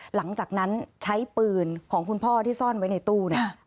หลังจากนั้นใช้ปืนของคุณพ่อที่ซ่อนไว้ในตู้เนี่ย